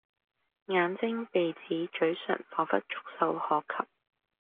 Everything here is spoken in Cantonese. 眼睛、鼻子、咀唇彷彿觸手可及